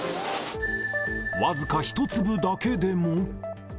僅か１粒だけでも。